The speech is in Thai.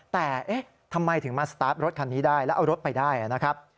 แต่เอ๊ะทำไมถึงมาสตาร์ทรถคันนี้ได้แล้วเอารถไปได้นะครับ